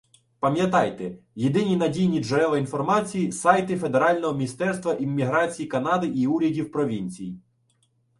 Пам'ятайте: єдині надійні джерела інформації — сайти федерального Міністерства Імміграції Канади і урядів провінцій